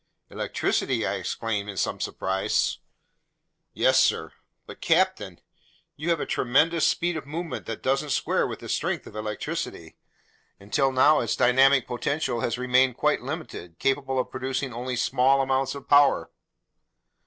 "Electricity!" I exclaimed in some surprise. "Yes, sir." "But, captain, you have a tremendous speed of movement that doesn't square with the strength of electricity. Until now, its dynamic potential has remained quite limited, capable of producing only small amounts of power!"